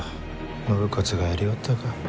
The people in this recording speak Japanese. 信雄がやりおったか。